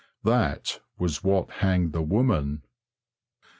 That was what hanged the woman.